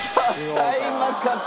シャインマスカット！